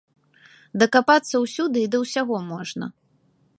Дакапацца ўсюды і да ўсяго можна.